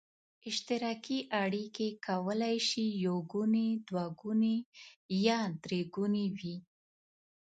اشتراکي اړیکې کولای شي یو ګوني، دوه ګوني یا درې ګوني وي.